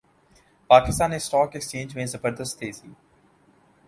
Pakistan stock exchange میں زبردست تیزی